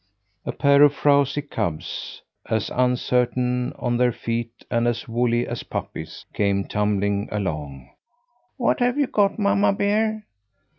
A pair of frowzy cubs, as uncertain on their feet and as woolly as puppies, came tumbling along. "What have you got, Mamma Bear?